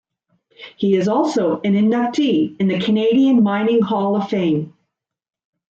He is also an inductee of the Canadian Mining Hall of Fame.